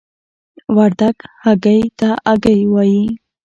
وردګ هګۍ ته آګۍ وايي.